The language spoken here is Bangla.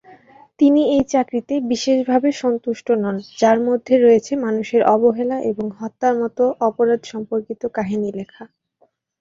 তিনি এই চাকরিতে বিশেষভাবে সন্তুষ্ট নন, যার মধ্যে রয়েছে মানুষের অবহেলা এবং হত্যার মতো অপরাধ সম্পর্কিত কাহিনী লেখা।